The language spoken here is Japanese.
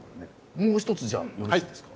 もう一つじゃあよろしいですか？